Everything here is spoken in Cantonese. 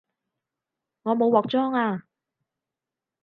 我冇鑊裝吖